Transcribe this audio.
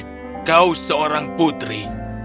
petani kau seorang putri